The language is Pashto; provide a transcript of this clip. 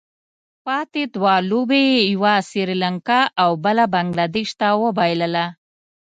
پاتې دوه لوبې یې یوه سري لانکا او بله بنګله دېش ته وبايلله.